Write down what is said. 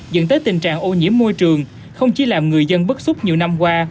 dẫn tới tình trạng ô nhiễm môi trường không chỉ làm người dân bức xúc nhiều năm qua